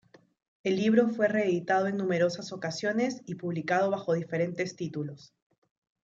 El libro fue reeditado en numerosas ocasiones, y publicado bajo diferentes títulos.